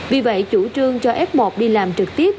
vì vậy chủ trương cho f một đi làm trực tiếp